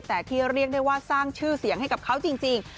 แต่ที่เรียกได้ว่าสร้างชื่อเสียงให้กับเขาจริง